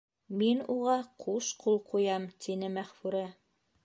Мин уға ҡуш ҡул ҡуям, — тине Мәғфүрә.